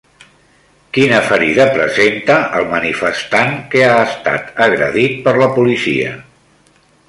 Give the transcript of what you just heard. Quina ferida presenta el manifestant que ha estat agredit per la policia?